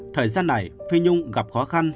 thời gian này phi nhung gặp khó khăn